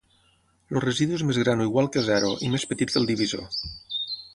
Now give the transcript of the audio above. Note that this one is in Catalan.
El residu és més gran o igual que zero i més petit que el divisor.